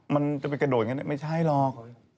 มันจะไปกระโดดอย่างนั้นไม่ใช่หรอก